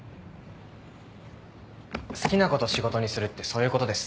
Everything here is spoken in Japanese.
好きなこと仕事にするってそういうことです。